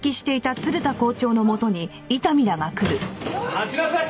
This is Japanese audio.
待ちなさい！